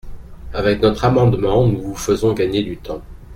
Avec notre amendement, nous vous faisons gagner du temps.